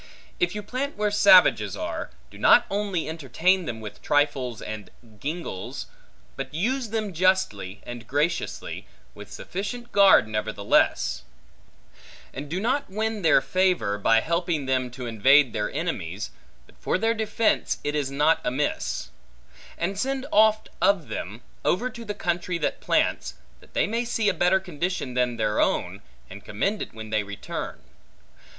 If you plant where savages are, do not only entertain them, with trifles and gingles, but use them justly and graciously, with sufficient guard nevertheless; and do not win their favor, by helping them to invade their enemies, but for their defence it is not amiss; and send oft of them, over to the country that plants, that they may see a better condition than their own, and commend it when they return.